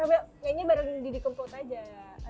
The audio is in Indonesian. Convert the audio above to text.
sambil nyanyi bareng didi kemput aja ya